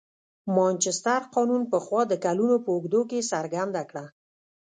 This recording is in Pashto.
مانچستر قانون پخوا د کلونو په اوږدو کې څرګنده کړه.